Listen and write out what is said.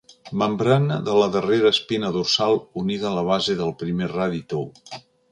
Membrana de la darrera espina dorsal unida a la base del primer radi tou.